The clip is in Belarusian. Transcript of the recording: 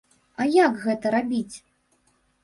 А як гэта рабіць?